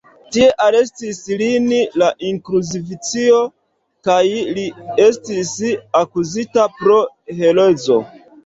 Tie arestis lin la inkvizicio kaj li estis akuzita pro herezo.